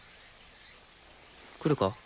来るか？